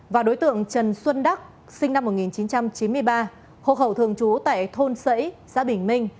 và đối tượng trần xuân đắc sinh năm một nghìn chín trăm chín mươi ba hộ khẩu thường trú tại thôn sẫy xã bình minh